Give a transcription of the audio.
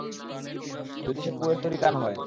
যদি সে Puerto Rican হয়।